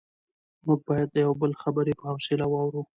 موږ باید د یو بل خبرې په حوصله واورو